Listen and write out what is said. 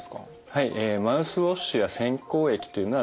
はい。